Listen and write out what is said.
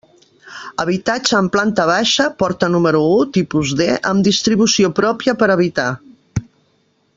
Habitatge en planta baixa, porta número u, tipus D, amb distribució pròpia per a habitar.